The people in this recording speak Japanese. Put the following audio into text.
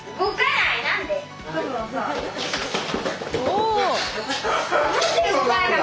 お！